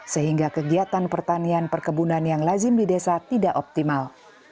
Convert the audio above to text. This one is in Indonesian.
sehingga kegiatan pertanian perkebunan yang lazim di desa tidak optimal